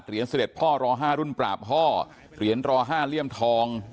เสด็จพ่อรอ๕รุ่นปราบห้อเหรียญรอ๕เลี่ยมทอง